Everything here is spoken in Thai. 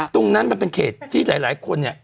มันเป็นเขตที่หลายคนเนี่ย